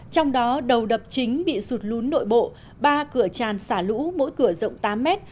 trong đó đầu đập chính bị sụt lún nội bộ ba cửa tràn xả lũ mỗi cửa rộng tám mét